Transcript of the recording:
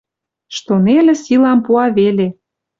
Что нелӹ силам пуа веле.